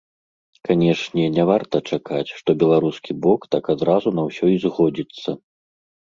Канешне, не варта чакаць, што беларускі бок так адразу на ўсё і згодзіцца.